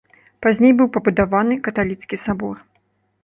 Пазней быў пабудаваны каталіцкі сабор.